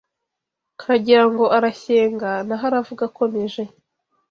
Nkagira ngo arashyenga Naho aravuga akomeje